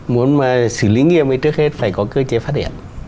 muốn xử lý nghiêm thì trước hết phải có cơ chế phát hiện